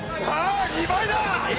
２倍だ！